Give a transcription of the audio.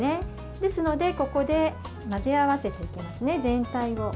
ですので、ここで混ぜ合わせていきますね、全体を。